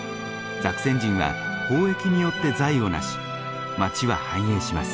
ザクセン人は交易によって財を成し街は繁栄します。